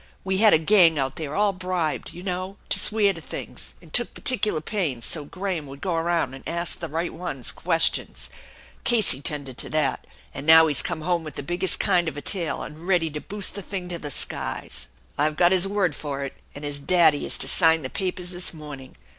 We had a gang out there all bribed, you know, to swear to things, and took particular pains so Graham would go around and ask the right ones questions, Casey tended to that, and now he's come home with the biggest kind of a, tale and ready to boost the thing to the skies. I've got his word for it, and his daddy is to sign the papers this morning.